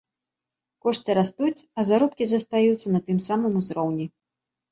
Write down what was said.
Кошты растуць, а заробкі застаюцца на тым самым узроўні.